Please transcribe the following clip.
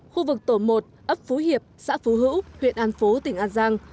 khu vực tổ một ấp phú hiệp xã phú hữu huyện an phú tỉnh an giang